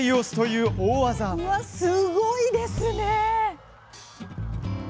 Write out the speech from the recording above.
うわあ、すごいですね！